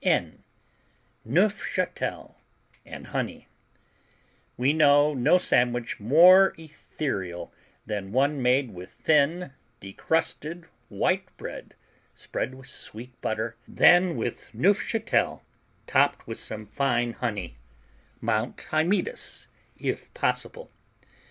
N Neufchâtel and Honey We know no sandwich more ethereal than one made with thin, decrusted, white bread, spread with sweet butter, then with Neufchâtel topped with some fine honey Mount Hymettus, if possible.